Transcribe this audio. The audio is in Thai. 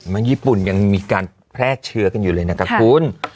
ญี่ปุ่นยังมีการแพร่เชื้อกันอยู่เลยนะคะคุณ